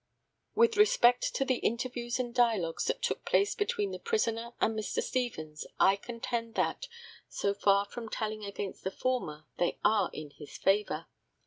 ] With respect to the interviews and dialogues that took place between the prisoner and Mr. Stevens, I contend that, so far from telling against the former, they are in his favour.